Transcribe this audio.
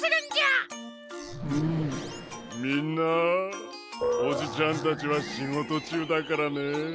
みんなおじちゃんたちはしごとちゅうだからね。